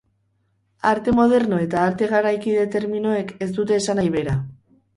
Arte moderno eta arte garaikide terminoek ez dute esanahi bera.